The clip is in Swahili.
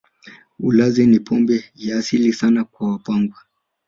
Ulanzi ni pombe ya asili sana kwa Wapangwa